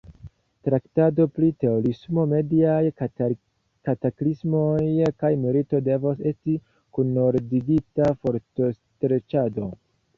Traktado pri terorismo, mediaj kataklismoj kaj milito devos esti kunordigita fortostreĉado.